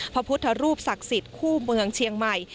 พระพุทธรูปศักดิ์สิทธิ์คู่เมืองเชียงใหม่